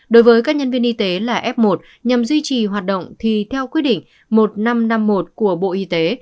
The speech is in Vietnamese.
đối với các nhân viên y tế là f một nhằm duy trì hoạt động thì theo quyết định một nghìn năm trăm năm mươi một của bộ y tế